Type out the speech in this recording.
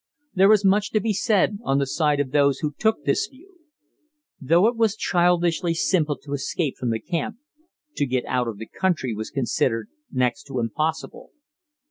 There is much to be said on the side of those who took this view. Though it was childishly simple to escape from the camp, to get out of the country was considered next to impossible.